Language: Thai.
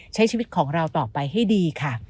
ใช้ชีวิตของเราต่อไปให้ดีค่ะ